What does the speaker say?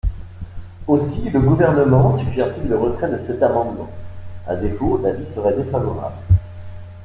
Aussi le Gouvernement suggère-t-il le retrait de cet amendement ; à défaut, l’avis serait défavorable.